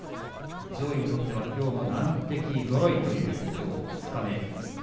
上位にとってはきょうも難敵ぞろいという二日目です。